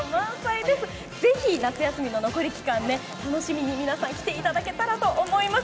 ぜひ夏休みの残り期間に楽しみに、皆さん来ていただけたらと思います。